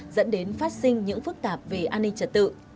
dẫn đến phát sinh những phức tạp về an ninh trật tự